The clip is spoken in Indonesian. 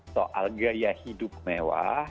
soal gaya hidup mewah